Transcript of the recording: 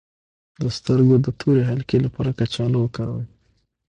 د سترګو د تورې حلقې لپاره کچالو وکاروئ